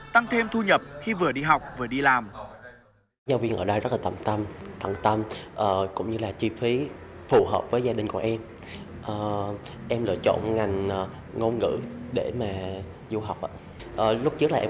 tăng thêm thu nhập khi vừa đi học vừa đi làm